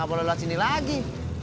nggak boleh lewat sini lagi